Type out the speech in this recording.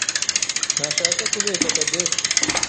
ntashaka kubeshya Cadette.